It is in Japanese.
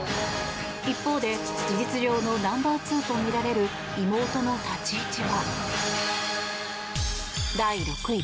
一方で事実上のナンバーツーとみられる妹の立ち位置は。